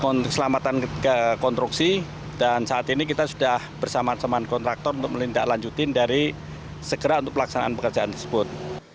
untuk keselamatan konstruksi dan saat ini kita sudah bersama teman kontraktor untuk melindaklanjutin dari segera untuk pelaksanaan pekerjaan tersebut